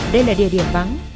đây là địa điểm vắng